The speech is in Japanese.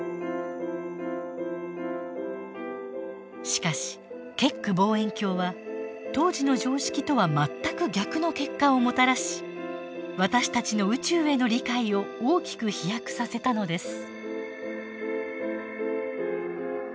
しかしケック望遠鏡は当時の常識とは全く逆の結果をもたらし私たちの宇宙への理解を大きく飛躍させたのです。